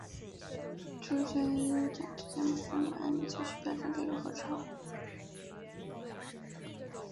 主角与武将之间萌生的暧昧情愫的发展又该如何是好？